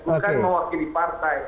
bukan mewakili partai